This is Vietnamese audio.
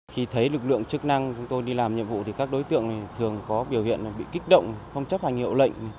khi thấy lực lượng chức năng chúng tôi đi làm nhiệm vụ thì các đối tượng này thường có biểu hiện bị kích động không chấp hành hiệu lệnh